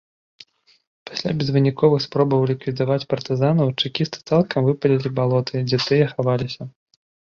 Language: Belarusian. Пасля безвыніковых спробаў ліквідаваць партызанаў чэкісты цалкам выпалілі балоты, дзе тыя хаваліся.